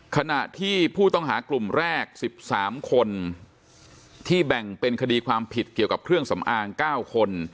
ขณะที่ผู้ต้องหากลุ่มแรก๑๓คนที่แบ่งเป็นคดีความผิดเกี่ยวกับเครื่องสำอาง๙คน